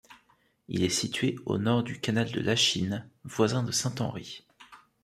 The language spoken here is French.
Il est situé au nord du canal de Lachine, voisin de Saint-Henri.